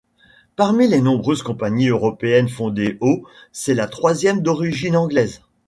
Parmi les nombreuses compagnies européennes fondées au, c'est la troisième d'origine anglaise.